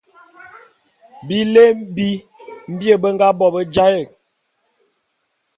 Bilé bi mbie be nga bo be jaé'.